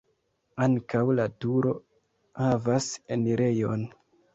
Ankaŭ la turo havas enirejon.